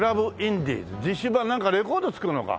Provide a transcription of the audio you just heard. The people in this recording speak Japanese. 自主盤なんかレコード作るのか。